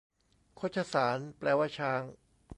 คชสาร แปลว่าช้าง